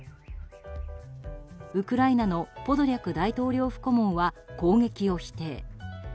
ウクライナのポドリャク大統領府顧問は攻撃を否定。